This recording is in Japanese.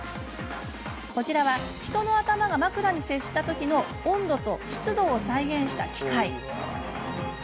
こちらは人の頭が枕に接したときの温度湿度を再現した機械。